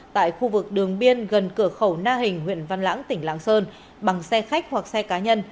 tại khu vực đường biên gần cửa khẩu na hình huyện văn lãng tỉnh lạng sơn bằng xe khách hoặc xe cá nhân